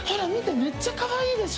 めっちゃ可愛いでしょ！